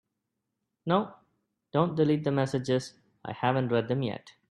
No, don’t delete the messages, I haven’t read them yet.